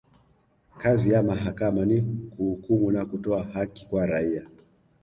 kazi ya mahakama ni kuhukumu na kutoa haki kwa raia